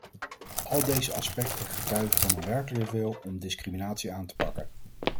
Al deze aspecten getuigen van een werkelijke wil om discriminatie aan te pakken.